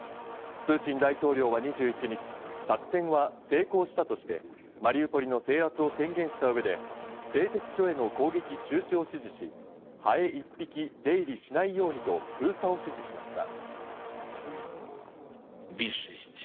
プーチン大統領は２１日、作戦は成功したとしてマリウポリの制圧を宣言した上で、製鉄所への攻撃中止を指示し、ハエ一匹出入りしないようにと封鎖を指示しました。